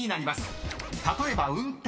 ［例えば運転は］